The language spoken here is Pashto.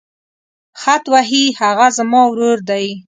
خط وهي هغه زما ورور دی.